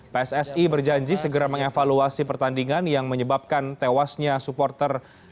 pssi berjanji segera mengevaluasi pertandingan yang menyebabkan tewasnya supporter